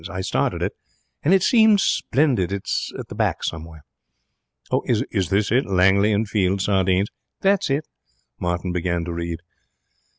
I started it, and it seemed splendid. It's at the back somewhere.' 'Is this it Langley and Fielding's sardines?' 'That's it.' Martin began to read.